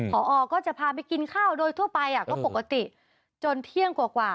พอก็จะพาไปกินข้าวโดยทั่วไปก็ปกติจนเที่ยงกว่า